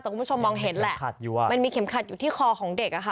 แต่คุณผู้ชมมองเห็นแหละมันมีเข็มขัดอยู่ที่คอของเด็กอ่ะค่ะ